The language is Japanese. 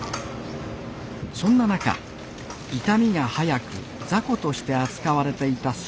そんな中傷みが早く雑魚として扱われていた